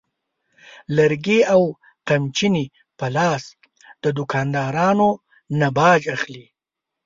لرګي او قمچینې په لاس د دوکاندارانو نه باج اخلي.